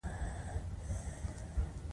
دا د صحت موندلو لپاره زما رسمي رخصتي ده.